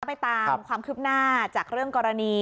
ไปตามความคืบหน้าจากเรื่องกรณี